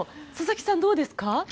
佐々木さん、どうですか？